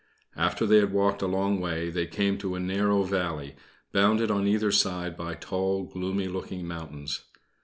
After they had walked a long way, they came to a narrow valley, bounded on either side by tall, gloomy looking mountains.